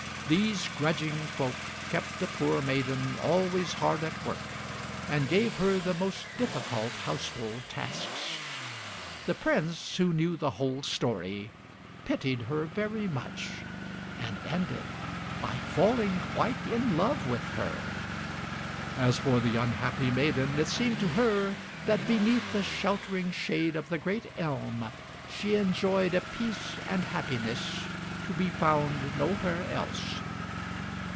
These grudging folk kept the poor maiden always hard at work and gave her the most difficult household tasks. The Prince, who knew the whole story, pitied her very much, and ended by falling quite in love with her. As for the unhappy maiden, it seemed to her that beneath the sheltering shade of the great elm she enjoyed a peace and happiness to be found nowhere else.